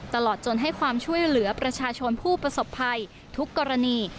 ตลอดจนให้ความช่วยเหลือประชาชนผู้ประสบภัยทุกกรณี